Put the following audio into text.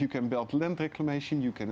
jika anda bisa menggabungkan